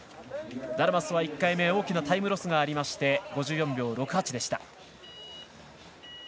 ダルマッソは１回目大きなタイムロスがあり５４秒６８でした。